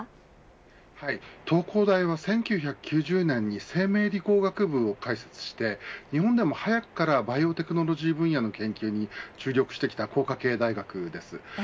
東工大は１９９０年に生命理工学部を開設して日本でも早くからバイオテクノロジー分野の研究に注力してきた工科系大学です。